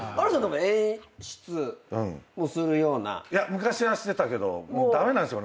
昔はしてたけど駄目なんですよ